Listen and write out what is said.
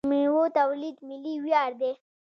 د میوو تولید ملي ویاړ دی.